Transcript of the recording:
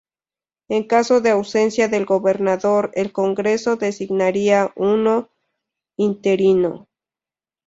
En caso de ausencia del gobernador, el Congreso designaría uno interino.